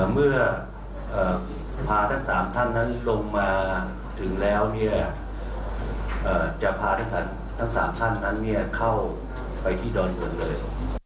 เมื่อพาทั้งสามท่านนั้นลงมาถึงแล้วเนี่ยจะพาทั้งสามท่านนั้นเนี่ยเข้าไปที่ดอนเตือนเลย